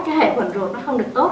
cái hệ quẩn ruột nó không được tốt